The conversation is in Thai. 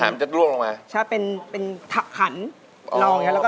แต่ระจำออกก่ะช่วยเสเซอร์หน้าเขาไปด้วยนะครับ